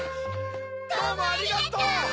どうもありがとう。